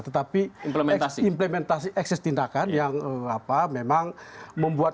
tetapi implementasi ekses tindakan yang memang membuat